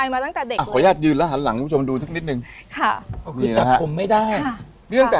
ขออนุญาตยืนข้างหลังสมแล้วดูนิดนึง